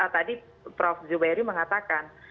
tadi prof zubairi mengatakan